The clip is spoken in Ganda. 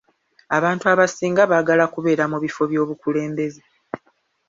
Abantu abasinga baagala kubeera mu bifo by'obukulembeze.